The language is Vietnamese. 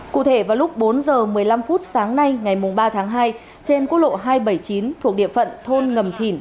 cụ thể vào lúc bốn h một mươi năm sáng nay ngày ba tháng hai trên quốc lộ hai trăm bảy mươi chín thuộc địa phận thôn ngầm thìn